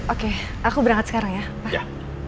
oke aku berangkat sekarang ya pak